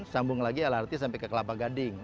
sambung lagi lrt sampai ke kelapa gading